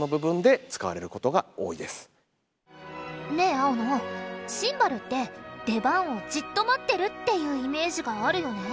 青野シンバルって出番をじっと待ってるっていうイメージがあるよね。